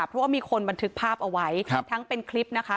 เพราะว่ามีคนบันทึกภาพเอาไว้ทั้งเป็นคลิปนะคะ